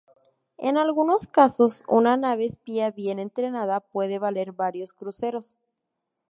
En algunos casos, una nave espía bien entrenada puede valer varios cruceros.